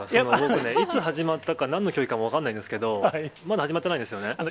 僕ね、いつ始まったか、なんの競技かも分かんないんですけど、まだ始まってないですよね？